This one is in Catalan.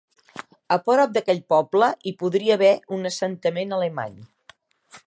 A prop d'aquell poble hi podria haver un assentament alemany.